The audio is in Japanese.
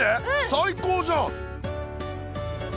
最高じゃん！